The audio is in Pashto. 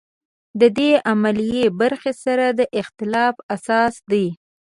دا د علمي برخې سره د اختلاف اساس دی.